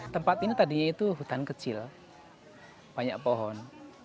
tempat ini tadi itu hutan kecil banyak pohon